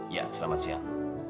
ya selamat siang